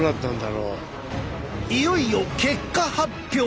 いよいよ結果発表。